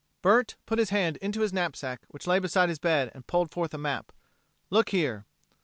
Bert put his hand into his knapsack which lay beside his bed and pulled forth a map. "Look here."